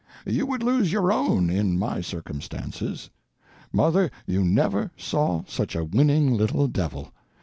You would lose your own, in my circumstances. Mother, you never saw such a winning little devil.